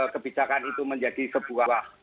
kebijakan itu menjadi sebuah